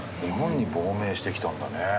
日本に亡命してきたんだね。